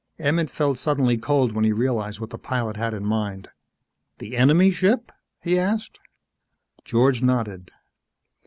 Emmett felt suddenly cold when he realized what the pilot had in mind. "The enemy ship?" he asked. George nodded.